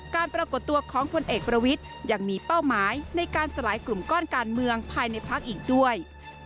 ปรากฏตัวของพลเอกประวิทย์ยังมีเป้าหมายในการสลายกลุ่มก้อนการเมืองภายในพักอีกด้วย